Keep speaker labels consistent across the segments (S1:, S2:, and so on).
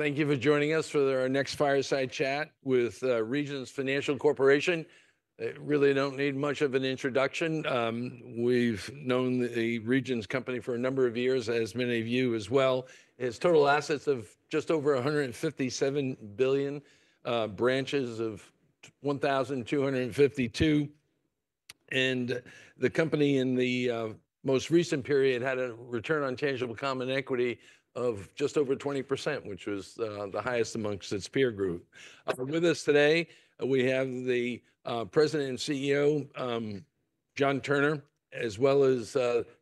S1: Thank you for joining us for our next fireside chat with Regions Financial Corporation. I really don't need much of an introduction. We've known the Regions company for a number of years, as many of you as well. It has total assets of just over $157 billion, branches of 1,252, and the company in the most recent period had a return on tangible common equity of just over 20%, which was the highest amongst its peer group. With us today, we have the President and CEO, John Turner, as well as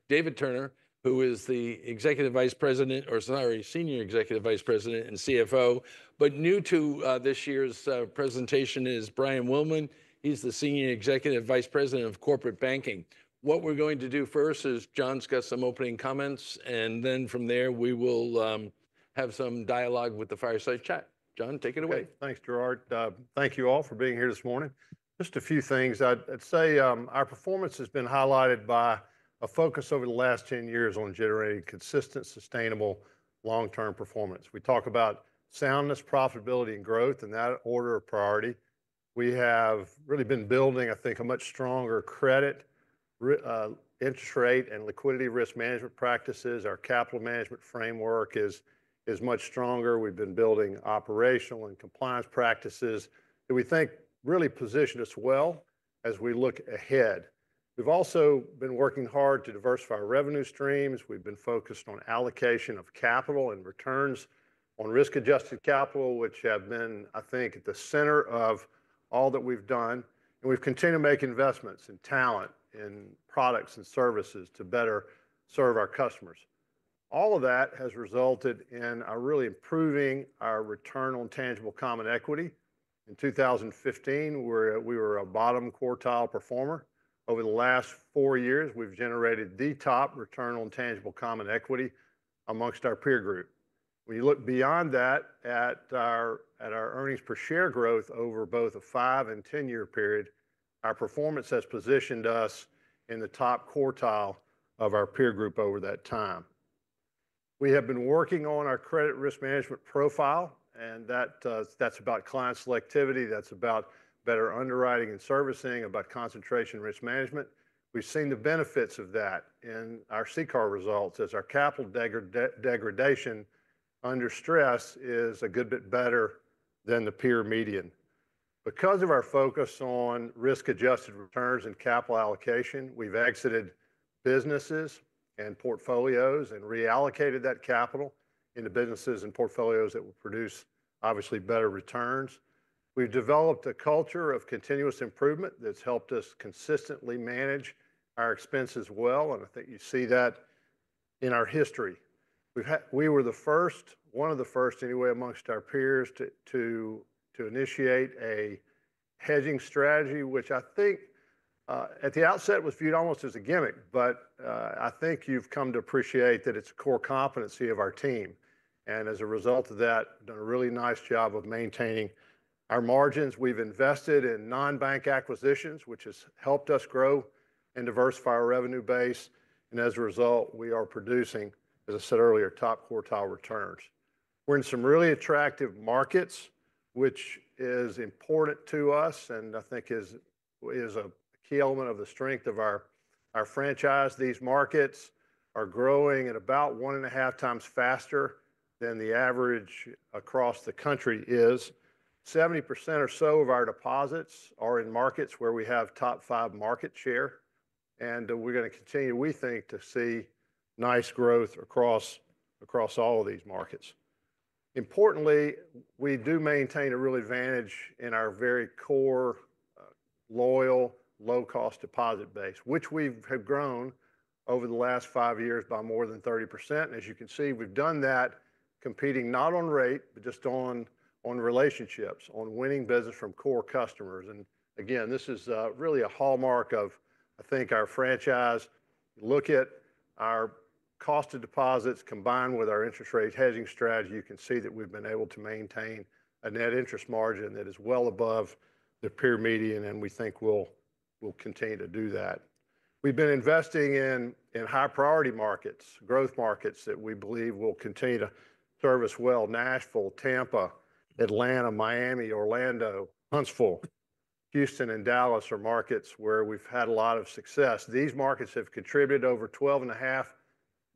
S1: David Turner, who is the Executive Vice President, or sorry, Senior Executive Vice President and CFO. But new to this year's presentation is Brian Willman. He's the Senior Executive Vice President of Corporate Banking. What we're going to do first is John's got some opening comments, and then from there we will have some dialogue with the fireside chat. John, take it away.
S2: Thanks, Gerard. Thank you all for being here this morning. Just a few things. I'd say our performance has been highlighted by a focus over the last 10 years on generating consistent, sustainable, long-term performance. We talk about soundness, profitability, and growth in that order of priority. We have really been building, I think, a much stronger credit interest rate and liquidity risk management practices. Our capital management framework is much stronger. We've been building operational and compliance practices that we think really position us well as we look ahead. We've also been working hard to diversify revenue streams. We've been focused on allocation of capital and returns on risk-adjusted capital, which have been, I think, at the center of all that we've done, and we've continued to make investments in talent, in products, and services to better serve our customers. All of that has resulted in really improving our return on tangible common equity. In 2015, we were a bottom quartile performer. Over the last four years, we've generated the top return on tangible common equity among our peer group. When you look beyond that, at our earnings per share growth over both a five and 10-year period, our performance has positioned us in the top quartile of our peer group over that time. We have been working on our credit risk management profile, and that's about client selectivity. That's about better underwriting and servicing, about concentration risk management. We've seen the benefits of that in our CCAR results as our capital degradation under stress is a good bit better than the peer median. Because of our focus on risk-adjusted returns and capital allocation, we've exited businesses and portfolios and reallocated that capital into businesses and portfolios that will produce, obviously, better returns. We've developed a culture of continuous improvement that's helped us consistently manage our expenses well. And I think you see that in our history. We were the first, one of the first anyway, amongst our peers to initiate a hedging strategy, which I think at the outset was viewed almost as a gimmick. But I think you've come to appreciate that it's a core competency of our team. And as a result of that, we've done a really nice job of maintaining our margins. We've invested in non-bank acquisitions, which has helped us grow and diversify our revenue base. And as a result, we are producing, as I said earlier, top quartile returns. We're in some really attractive markets, which is important to us and I think is a key element of the strength of our franchise. These markets are growing at about one and a half times faster than the average across the country is. 70% or so of our deposits are in markets where we have top five market share. And we're going to continue, we think, to see nice growth across all of these markets. Importantly, we do maintain a real advantage in our very core, loyal, low-cost deposit base, which we've grown over the last five years by more than 30%. And as you can see, we've done that competing not on rate, but just on relationships, on winning business from core customers. And again, this is really a hallmark of, I think, our franchise. Look at our cost of deposits combined with our interest rate hedging strategy. You can see that we've been able to maintain a net interest margin that is well above the peer median, and we think we'll continue to do that. We've been investing in high-priority markets, growth markets that we believe will continue to serve well: Nashville, Tampa, Atlanta, Miami, Orlando, Huntsville, Houston, and Dallas are markets where we've had a lot of success. These markets have contributed over $12.5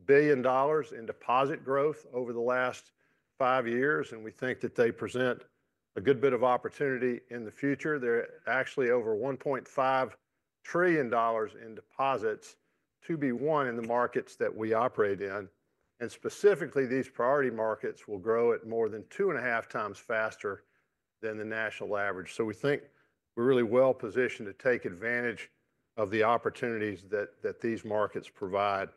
S2: billion in deposit growth over the last five years, and we think that they present a good bit of opportunity in the future. They're actually over $1.5 trillion in deposits total in the markets that we operate in, and specifically, these priority markets will grow at more than two and a half times faster than the national average, so we think we're really well positioned to take advantage of the opportunities that these markets provide.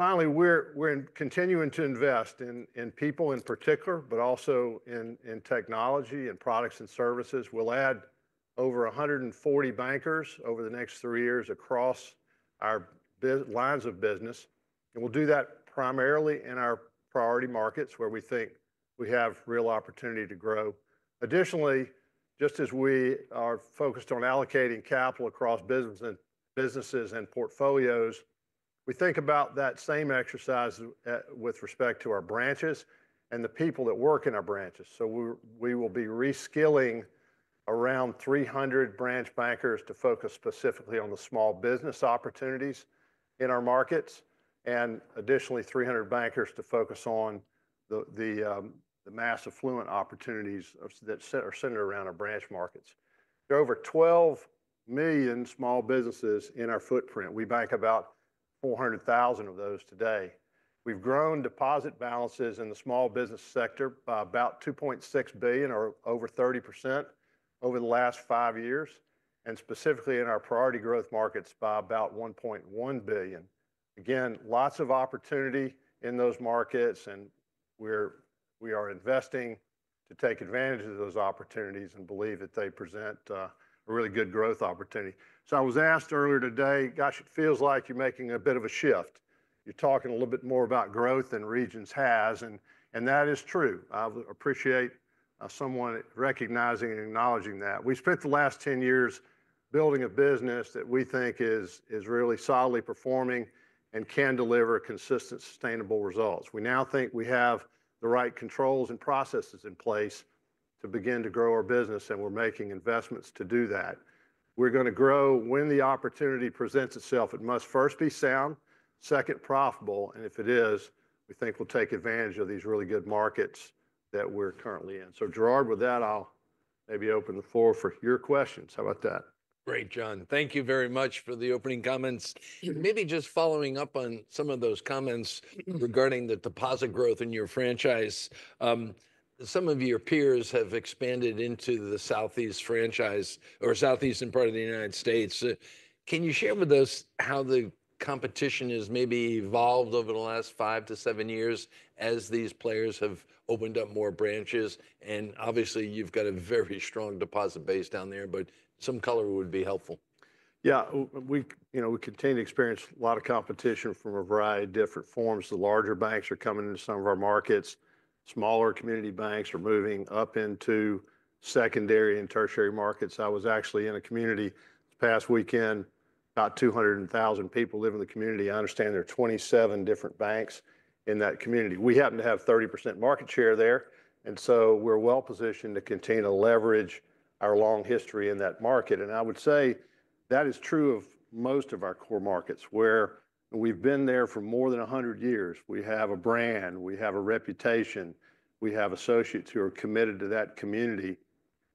S2: Finally, we're continuing to invest in people in particular, but also in technology and products and services. We'll add over 140 bankers over the next three years across our lines of business, and we'll do that primarily in our priority markets where we think we have real opportunity to grow. Additionally, just as we are focused on allocating capital across businesses and portfolios, we think about that same exercise with respect to our branches and the people that work in our branches, so we will be reskilling around 300 branch bankers to focus specifically on the small business opportunities in our markets, and additionally, 300 bankers to focus on the mass affluent opportunities that are centered around our branch markets. There are over 12 million small businesses in our footprint. We bank about 400,000 of those today. We've grown deposit balances in the small business sector by about $2.6 billion, or over 30%, over the last five years, and specifically in our priority growth markets by about $1.1 billion. Again, lots of opportunity in those markets, and we are investing to take advantage of those opportunities and believe that they present a really good growth opportunity, so I was asked earlier today, "Gosh, it feels like you're making a bit of a shift. You're talking a little bit more about growth than Regions has," and that is true. I appreciate someone recognizing and acknowledging that. We spent the last 10 years building a business that we think is really solidly performing and can deliver consistent, sustainable results. We now think we have the right controls and processes in place to begin to grow our business, and we're making investments to do that. We're going to grow when the opportunity presents itself. It must first be sound, second, profitable. And if it is, we think we'll take advantage of these really good markets that we're currently in. So Gerard, with that, I'll maybe open the floor for your questions. How about that?
S1: Great, John. Thank you very much for the opening comments. Maybe just following up on some of those comments regarding the deposit growth in your franchise. Some of your peers have expanded into the Southeast franchise or southeastern part of the United States. Can you share with us how the competition has maybe evolved over the last five to seven years as these players have opened up more branches? And obviously, you've got a very strong deposit base down there, but some color would be helpful.
S2: Yeah, we continue to experience a lot of competition from a variety of different forms. The larger banks are coming into some of our markets. Smaller community banks are moving up into secondary and tertiary markets. I was actually in a community this past weekend, about 200,000 people live in the community. I understand there are 27 different banks in that community. We happen to have 30% market share there. And so we're well positioned to continue to leverage our long history in that market. And I would say that is true of most of our core markets where we've been there for more than 100 years. We have a brand. We have a reputation. We have associates who are committed to that community.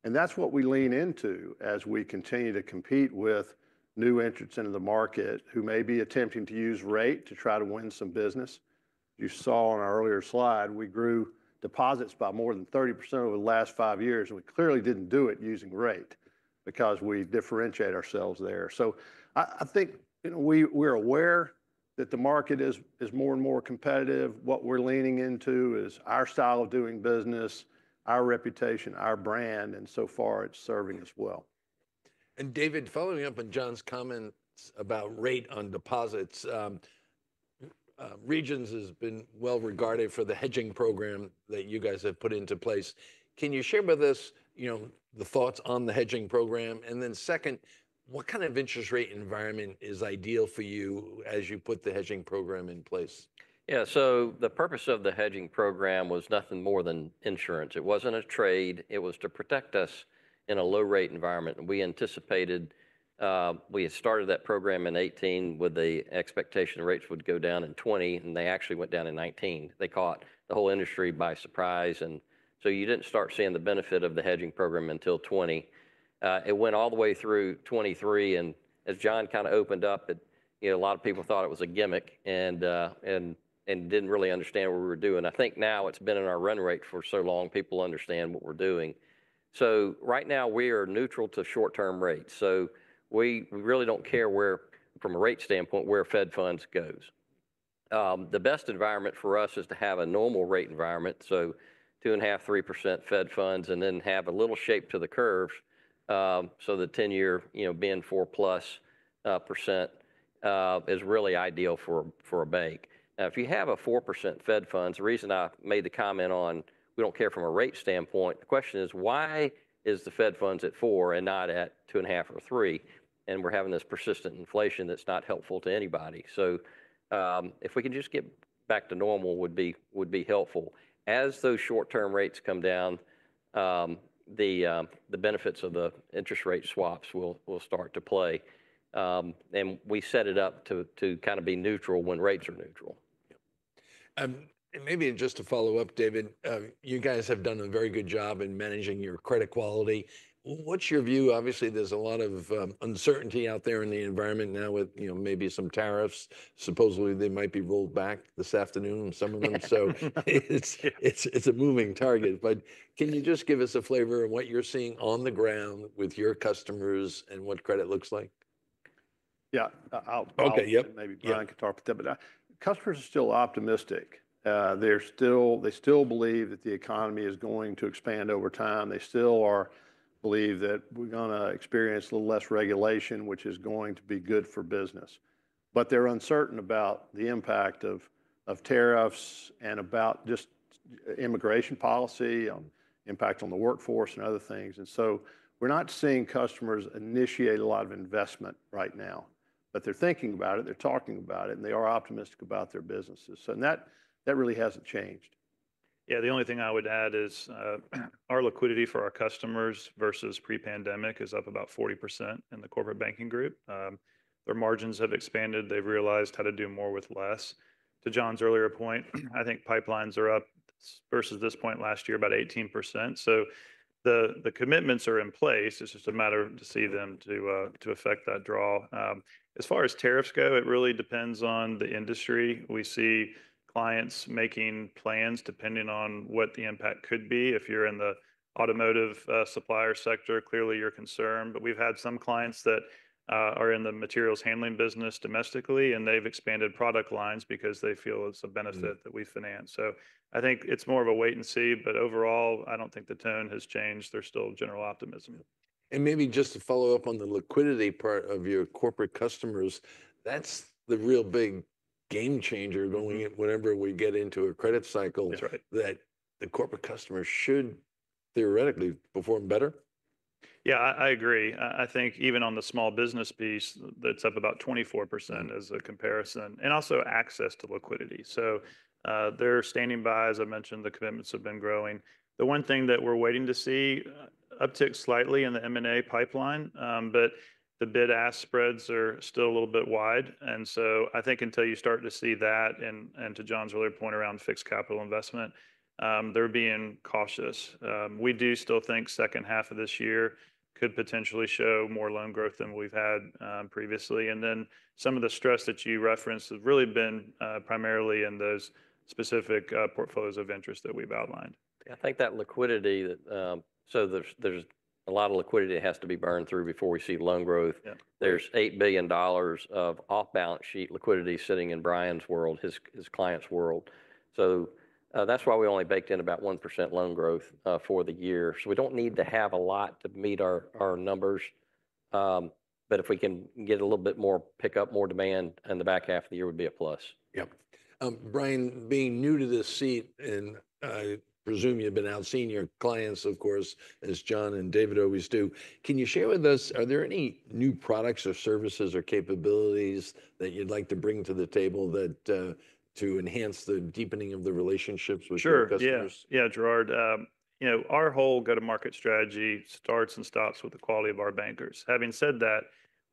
S2: And that's what we lean into as we continue to compete with new entrants into the market who may be attempting to use rate to try to win some business. You saw on our earlier slide, we grew deposits by more than 30% over the last five years. And we clearly didn't do it using rate because we differentiate ourselves there. So I think we're aware that the market is more and more competitive. What we're leaning into is our style of doing business, our reputation, our brand, and so far it's serving us well.
S1: David, following up on John's comments about rate on deposits, Regions has been well regarded for the hedging program that you guys have put into place. Can you share with us the thoughts on the hedging program? And then second, what kind of interest rate environment is ideal for you as you put the hedging program in place?
S3: Yeah, so the purpose of the hedging program was nothing more than insurance. It wasn't a trade. It was to protect us in a low-rate environment. We anticipated we had started that program in 2018 with the expectation rates would go down in 2020, and they actually went down in 2019. They caught the whole industry by surprise. And so you didn't start seeing the benefit of the hedging program until 2020. It went all the way through 2023. And as John kind of opened up, a lot of people thought it was a gimmick and didn't really understand what we were doing. I think now it's been in our run rate for so long, people understand what we're doing. So right now we are neutral to short-term rates. So we really don't care from a rate standpoint where Fed funds goes. The best environment for us is to have a normal rate environment, so two and a half, 3% Fed funds, and then have a little shape to the curves so the 10-year being 4% plus is really ideal for a bank. Now, if you have a 4% Fed funds, the reason I made the comment on we don't care from a rate standpoint. The question is, why is the Fed funds at four and not at two and a half or three, and we're having this persistent inflation that's not helpful to anybody, so if we can just get back to normal would be helpful. As those short-term rates come down, the benefits of the interest rate swaps will start to play, and we set it up to kind of be neutral when rates are neutral.
S1: And maybe just to follow up, David, you guys have done a very good job in managing your credit quality. What's your view? Obviously, there's a lot of uncertainty out there in the environment now with maybe some tariffs. Supposedly, they might be rolled back this afternoon, some of them. So it's a moving target. But can you just give us a flavor of what you're seeing on the ground with your customers and what credit looks like?
S2: Yeah, they'll maybe be a little more cautious, but customers are still optimistic. They still believe that the economy is going to expand over time. They still believe that we're going to experience a little less regulation, which is going to be good for business. But they're uncertain about the impact of tariffs and about just immigration policy, impact on the workforce, and other things. And so we're not seeing customers initiate a lot of investment right now. But they're thinking about it. They're talking about it, and they are optimistic about their businesses. So that really hasn't changed.
S4: Yeah, the only thing I would add is our liquidity for our customers versus pre-pandemic is up about 40% in the corporate banking group. Their margins have expanded. They've realized how to do more with less. To John's earlier point, I think pipelines are up versus this point last year, about 18%. So the commitments are in place. It's just a matter to see them to affect that draw. As far as tariffs go, it really depends on the industry. We see clients making plans depending on what the impact could be. If you're in the automotive supplier sector, clearly you're concerned. But we've had some clients that are in the materials handling business domestically, and they've expanded product lines because they feel it's a benefit that we finance. So I think it's more of a wait and see. But overall, I don't think the tone has changed. There's still general optimism.
S1: Maybe just to follow up on the liquidity part of your corporate customers. That's the real big game changer going whenever we get into a credit cycle that the corporate customer should theoretically perform better.
S4: Yeah, I agree. I think even on the small business piece, it's up about 24% as a comparison and also access to liquidity. So they're standing by, as I mentioned, the commitments have been growing. The one thing that we're waiting to see uptick slightly in the M&A pipeline, but the bid-ask spreads are still a little bit wide. And so I think until you start to see that and to John's earlier point around fixed capital investment, they're being cautious. We do still think second half of this year could potentially show more loan growth than we've had previously. And then some of the stress that you referenced has really been primarily in those specific portfolios of interest that we've outlined.
S3: I think that liquidity, so there's a lot of liquidity that has to be burned through before we see loan growth. There's $8 billion of off-balance sheet liquidity sitting in Brian's world, his client's world. So that's why we only baked in about 1% loan growth for the year. So we don't need to have a lot to meet our numbers. But if we can get a little bit more pick up, more demand in the back half of the year would be a plus.
S1: Yep. Brian, being new to this seat, and I presume you've been out seeing your clients, of course, as John and David always do, can you share with us, are there any new products or services or capabilities that you'd like to bring to the table to enhance the deepening of the relationships with your customers?
S4: Sure. Yeah, Gerard. Our whole go-to-market strategy starts and stops with the quality of our bankers. Having said that,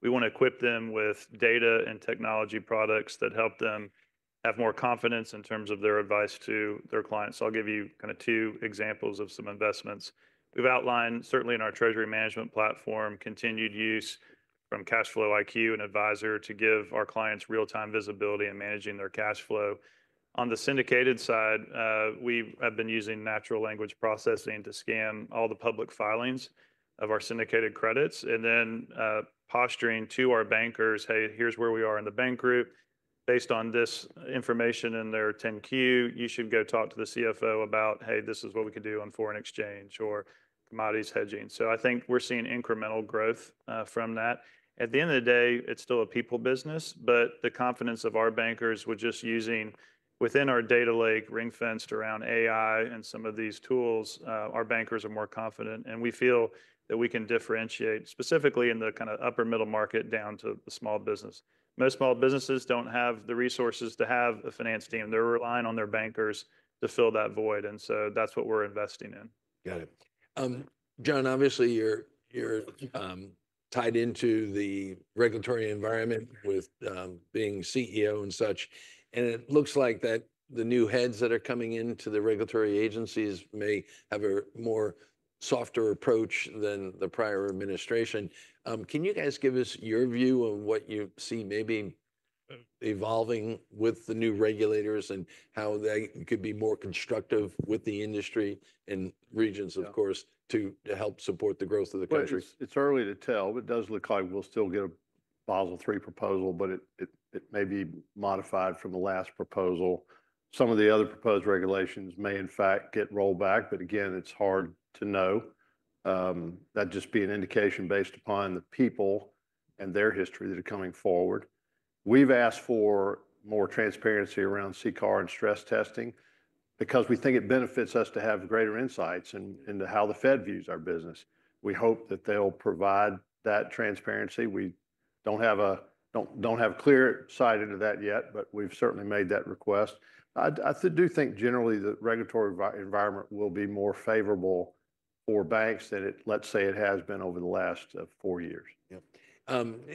S4: we want to equip them with data and technology products that help them have more confidence in terms of their advice to their clients. So I'll give you kind of two examples of some investments. We've outlined, certainly in our treasury management platform, continued use from CashFlowIQ and Advisor to give our clients real-time visibility in managing their cash flow. On the syndicated side, we have been using natural language processing to scan all the public filings of our syndicated credits and then pushing to our bankers, "Hey, here's where we are in the bank group. Based on this information in their 10-Q, you should go talk to the CFO about, hey, this is what we can do on foreign exchange or commodities hedging," so I think we're seeing incremental growth from that. At the end of the day, it's still a people business, but the confidence of our bankers with just using within our data lake ring-fenced around AI and some of these tools, our bankers are more confident, and we feel that we can differentiate specifically in the kind of upper-middle market down to the small business. Most small businesses don't have the resources to have a finance team. They're relying on their bankers to fill that void, and so that's what we're investing in.
S1: Got it. John, obviously, you're tied into the regulatory environment with being CEO and such. And it looks like that the new heads that are coming into the regulatory agencies may have a more softer approach than the prior administration. Can you guys give us your view on what you see maybe evolving with the new regulators and how they could be more constructive with the industry and Regions, of course, to help support the growth of the country?
S2: It's early to tell, but it does look like we'll still get a Basel III proposal, but it may be modified from the last proposal. Some of the other proposed regulations may, in fact, get rolled back. But again, it's hard to know. That'd just be an indication based upon the people and their history that are coming forward. We've asked for more transparency around CCAR and stress testing because we think it benefits us to have greater insights into how the Fed views our business. We hope that they'll provide that transparency. We don't have a clear sight into that yet, but we've certainly made that request. I do think generally the regulatory environment will be more favorable for banks than it, let's say, it has been over the last four years.
S1: Yep,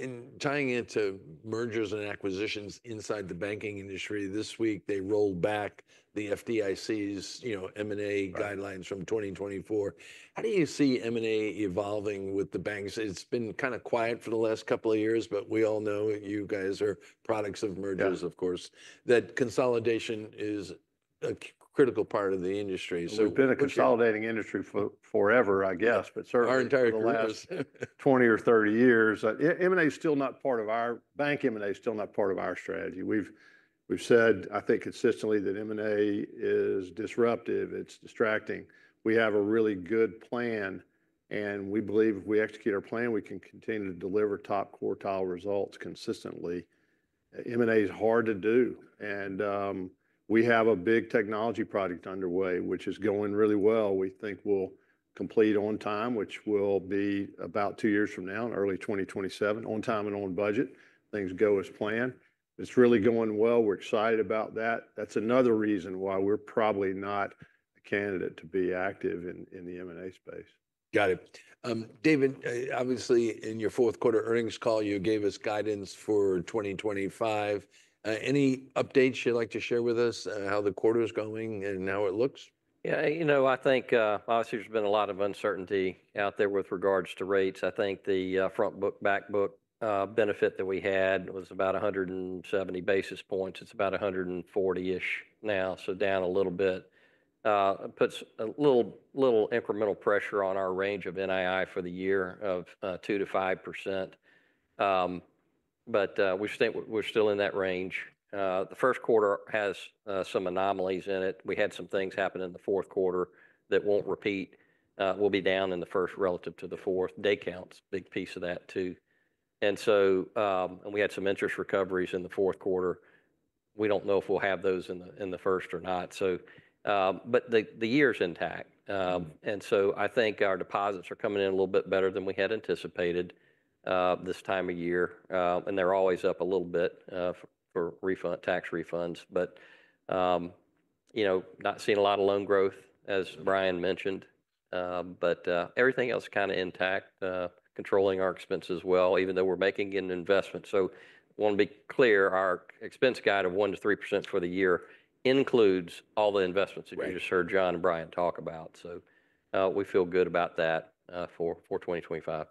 S1: and tying into mergers and acquisitions inside the banking industry, this week they rolled back the FDIC's M&A guidelines from 2024. How do you see M&A evolving with the banks? It's been kind of quiet for the last couple of years, but we all know you guys are products of mergers, of course, that consolidation is a critical part of the industry.
S2: We've been a consolidating industry forever, I guess, but certainly for the last 20 or 30 years. M&A is still not part of our bank. M&A is still not part of our strategy. We've said, I think, consistently that M&A is disruptive. It's distracting. We have a really good plan, and we believe if we execute our plan, we can continue to deliver top quartile results consistently. M&A is hard to do, and we have a big technology project underway, which is going really well. We think we'll complete on time, which will be about two years from now in early 2027, on time and on budget. Things go as planned. It's really going well. We're excited about that. That's another reason why we're probably not a candidate to be active in the M&A space.
S1: Got it. David, obviously, in your fourth quarter earnings call, you gave us guidance for 2025. Any updates you'd like to share with us, how the quarter is going and how it looks?
S3: Yeah, you know, I think obviously there's been a lot of uncertainty out there with regards to rates. I think the front book, back book benefit that we had was about 170 basis points. It's about 140-ish now, so down a little bit. It puts a little incremental pressure on our range of NII for the year of 2%-5%. But we think we're still in that range. The first quarter has some anomalies in it. We had some things happen in the fourth quarter that won't repeat. We'll be down in the first relative to the fourth. Day counts is a big piece of that too. And so we had some interest recoveries in the fourth quarter. We don't know if we'll have those in the first or not. But the year is intact. And so I think our deposits are coming in a little bit better than we had anticipated this time of year. And they're always up a little bit for tax refunds. But not seeing a lot of loan growth, as Brian mentioned. But everything else is kind of intact, controlling our expenses well, even though we're making an investment. So I want to be clear, our expense guide of 1%-3% for the year includes all the investments that you just heard John and Brian talk about. So we feel good about that for 2025.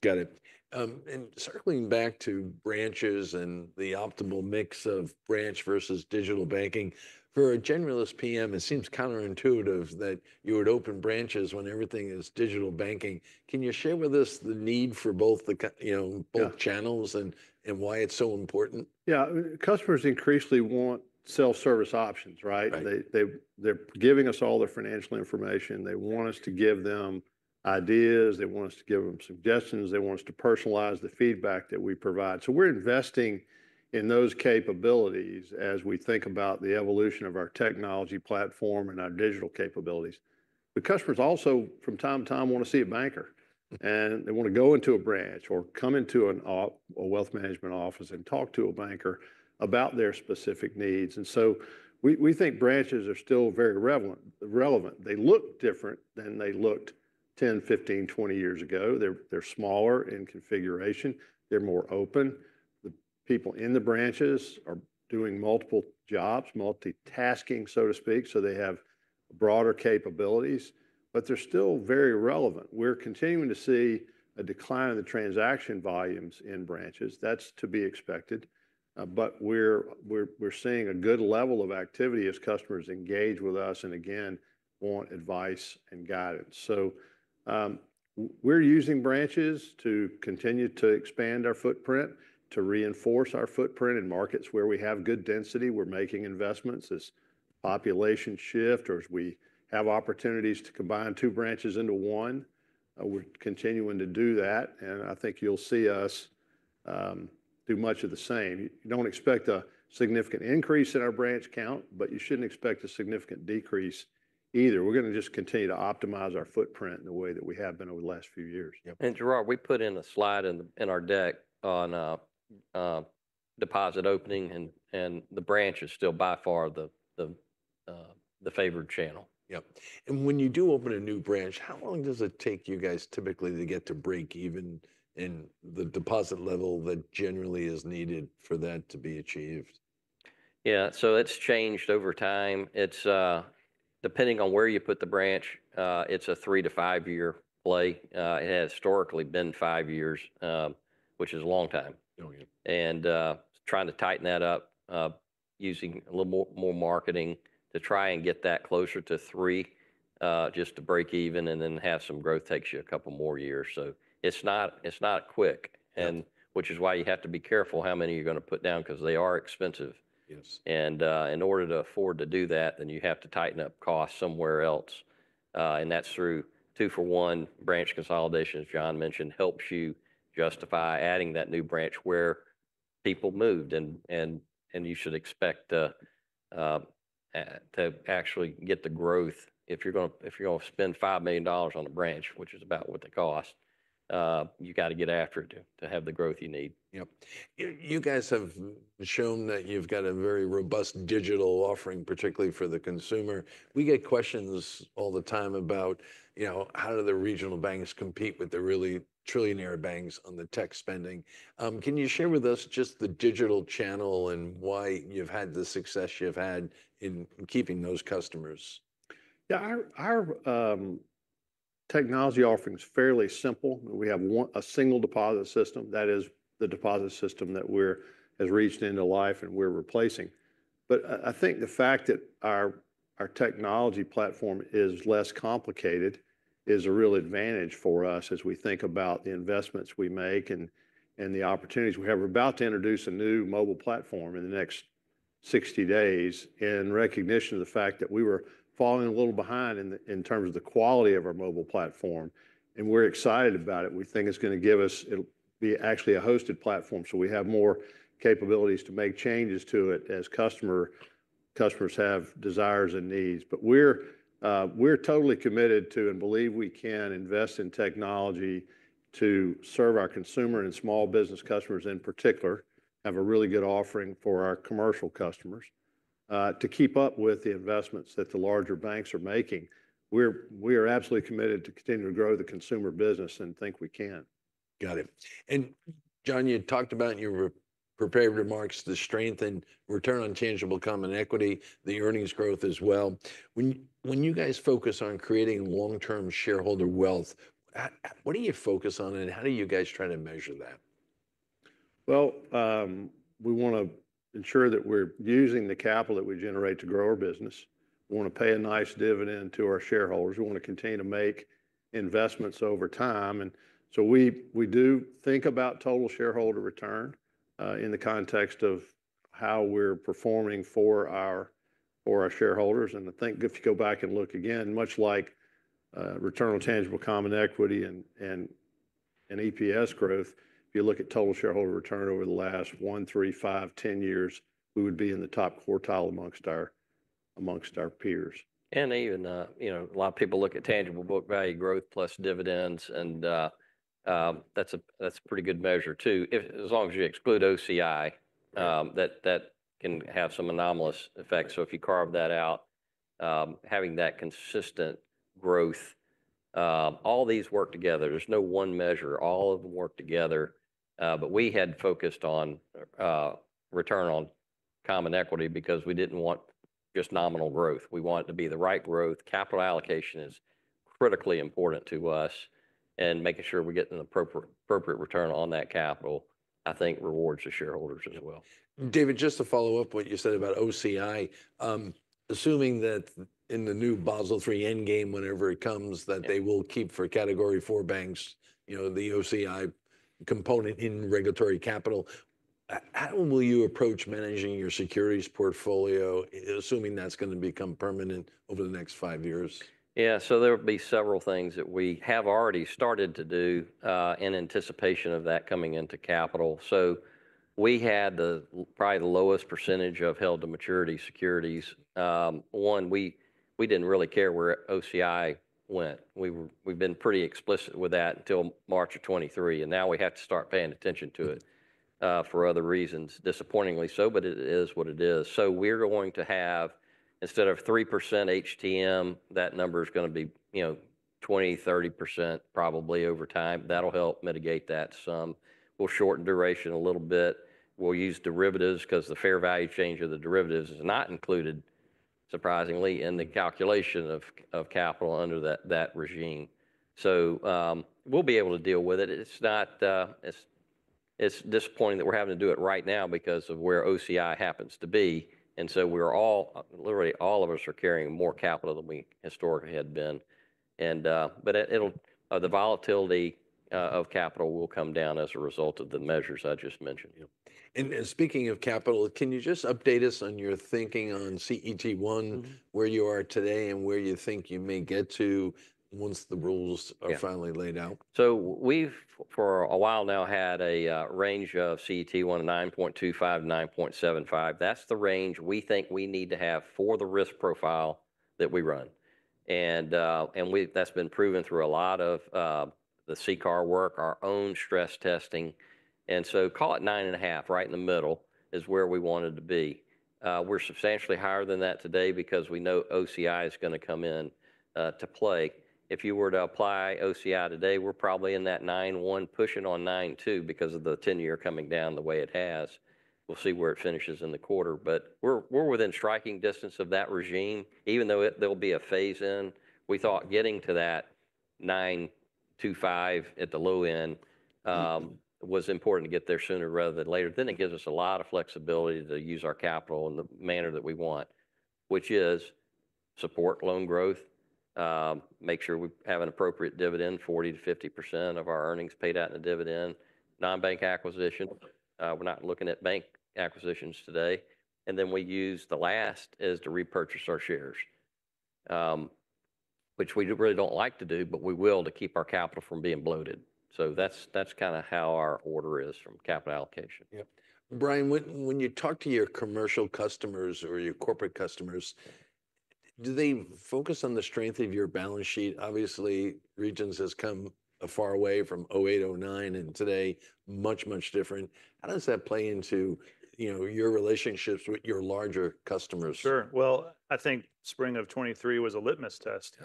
S1: Got it. And circling back to branches and the optimal mix of branch versus digital banking, for a generalist PM, it seems counterintuitive that you would open branches when everything is digital banking. Can you share with us the need for both channels and why it's so important?
S2: Yeah, customers increasingly want self-service options, right? They're giving us all their financial information. They want us to give them ideas. They want us to give them suggestions. They want us to personalize the feedback that we provide. So we're investing in those capabilities as we think about the evolution of our technology platform and our digital capabilities. The customers also, from time to time, want to see a banker. And they want to go into a branch or come into a wealth management office and talk to a banker about their specific needs. And so we think branches are still very relevant. They look different than they looked 10, 15, 20 years ago. They're smaller in configuration. They're more open. The people in the branches are doing multiple jobs, multitasking, so to speak. So they have broader capabilities. But they're still very relevant. We're continuing to see a decline in the transaction volumes in branches. That's to be expected. But we're seeing a good level of activity as customers engage with us and, again, want advice and guidance. So we're using branches to continue to expand our footprint, to reinforce our footprint in markets where we have good density. We're making investments as population shift or as we have opportunities to combine two branches into one. We're continuing to do that. And I think you'll see us do much of the same. You don't expect a significant increase in our branch count, but you shouldn't expect a significant decrease either. We're going to just continue to optimize our footprint in the way that we have been over the last few years.
S3: Gerard, we put in a slide in our deck on deposit opening, and the branch is still by far the favored channel.
S1: Yep. And when you do open a new branch, how long does it take you guys typically to get to break even in the deposit level that generally is needed for that to be achieved?
S3: Yeah, so it's changed over time. Depending on where you put the branch, it's a three- to five-year play. It has historically been five years, which is a long time. And trying to tighten that up using a little more marketing to try and get that closer to three just to break even and then have some growth takes you a couple more years. So it's not quick, which is why you have to be careful how many you're going to put down because they are expensive. And in order to afford to do that, then you have to tighten up costs somewhere else. And that's through two-for-one branch consolidation, as John mentioned, helps you justify adding that new branch where people moved. And you should expect to actually get the growth. If you're going to spend $5 million on a branch, which is about what the cost, you got to get after it to have the growth you need.
S1: Yep. You guys have shown that you've got a very robust digital offering, particularly for the consumer. We get questions all the time about how do the regional banks compete with the really trillionaire banks on the tech spending. Can you share with us just the digital channel and why you've had the success you've had in keeping those customers?
S2: Yeah, our technology offering is fairly simple. We have a single deposit system that is the deposit system that has reached end of life and we're replacing. But I think the fact that our technology platform is less complicated is a real advantage for us as we think about the investments we make and the opportunities we have. We're about to introduce a new mobile platform in the next 60 days in recognition of the fact that we were falling a little behind in terms of the quality of our mobile platform. And we're excited about it. We think it's going to give us, it'll be actually a hosted platform. So we have more capabilities to make changes to it as customers have desires and needs. but we're totally committed to and believe we can invest in technology to serve our consumer and small business customers in particular, have a really good offering for our commercial customers to keep up with the investments that the larger banks are making. We are absolutely committed to continue to grow the consumer business and think we can.
S1: Got it, and John, you talked about in your prepared remarks the strength and return on tangible common equity, the earnings growth as well. When you guys focus on creating long-term shareholder wealth, what do you focus on and how do you guys try to measure that?
S2: We want to ensure that we're using the capital that we generate to grow our business. We want to pay a nice dividend to our shareholders. We want to continue to make investments over time, and so we do think about total shareholder return in the context of how we're performing for our shareholders, and I think if you go back and look again, much like return on tangible common equity and EPS growth, if you look at total shareholder return over the last one, three, five, 10 years, we would be in the top quartile among our peers.
S3: And even a lot of people look at tangible book value growth plus dividends. And that's a pretty good measure too. As long as you exclude OCI, that can have some anomalous effects. So if you carve that out, having that consistent growth, all these work together. There's no one measure. All of them work together. But we had focused on return on common equity because we didn't want just nominal growth. We want it to be the right growth. Capital allocation is critically important to us. And making sure we're getting an appropriate return on that capital, I think rewards the shareholders as well.
S1: David, just to follow up what you said about OCI, assuming that in the new Basel III Endgame, whenever it comes, that they will keep for Category four banks, the OCI component in regulatory capital, how will you approach managing your securities portfolio, assuming that's going to become permanent over the next five years?
S3: Yeah, so there will be several things that we have already started to do in anticipation of that coming into capital. So we had probably the lowest percentage of held to maturity securities. One, we didn't really care where OCI went. We've been pretty explicit with that until March of 2023. And now we have to start paying attention to it for other reasons, disappointingly so, but it is what it is. So we're going to have, instead of 3% HTM, that number is going to be 20%-30% probably over time. That'll help mitigate that some. We'll shorten duration a little bit. We'll use derivatives because the fair value change of the derivatives is not included, surprisingly, in the calculation of capital under that regime. So we'll be able to deal with it. It's disappointing that we're having to do it right now because of where OCI happens to be, and so we're all, literally all of us, carrying more capital than we historically had been, but the volatility of capital will come down as a result of the measures I just mentioned.
S1: Speaking of capital, can you just update us on your thinking on CET1, where you are today and where you think you may get to once the rules are finally laid out?
S3: So we've, for a while now, had a range of CET1 of 9.25 to 9.75. That's the range we think we need to have for the risk profile that we run. And that's been proven through a lot of the CCAR work, our own stress testing. And so call it nine and a half, right in the middle is where we wanted to be. We're substantially higher than that today because we know OCI is going to come in to play. If you were to apply OCI today, we're probably in that nine one, pushing on nine two because of the 10-year coming down the way it has. We'll see where it finishes in the quarter. But we're within striking distance of that regime, even though there'll be a phase in. We thought getting to that 9.25 at the low end was important to get there sooner rather than later. Then it gives us a lot of flexibility to use our capital in the manner that we want, which is support loan growth, make sure we have an appropriate dividend, 40%-50% of our earnings paid out in a dividend, non-bank acquisition. We're not looking at bank acquisitions today. And then we use the last to repurchase our shares, which we really don't like to do, but we will to keep our capital from being bloated. So that's kind of how our order is for capital allocation.
S1: Yep. Brian, when you talk to your commercial customers or your corporate customers, do they focus on the strength of your balance sheet? Obviously, Regions has come a long way from 2008, 2009, and today, much, much different. How does that play into your relationships with your larger customers?
S4: Sure. Well, I think spring of 2023 was a litmus test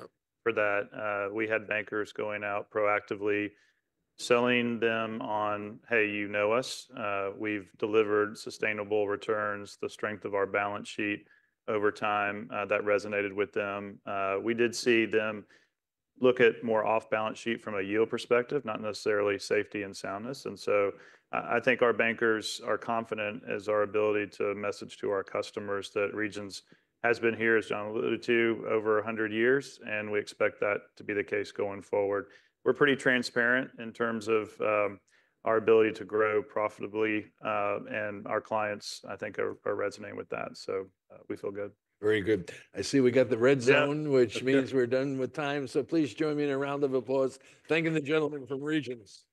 S4: for that. We had bankers going out proactively, selling them on, "Hey, you know us. We've delivered sustainable returns, the strength of our balance sheet over time." That resonated with them. We did see them look at more off-balance sheet from a yield perspective, not necessarily safety and soundness. And so I think our bankers are confident as our ability to message to our customers that Regions has been here, as John alluded to, over 100 years. And we expect that to be the case going forward. We're pretty transparent in terms of our ability to grow profitably. And our clients, I think, are resonating with that. So we feel good.
S1: Very good. I see we got the red zone, which means we're done with time. So please join me in a round of applause thanking the gentlemen from Regions.